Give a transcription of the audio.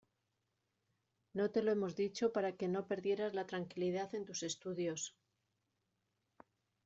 No te lo hemos dicho para que no perdieras la tranquilidad en tus estudios.